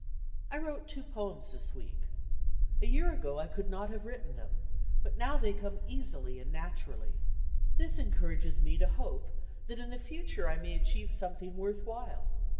I wrote two poems this week. A year ago, I could not have written them, but now they come easily and naturally. This encourages me to hope that in the future I may achieve something worth while.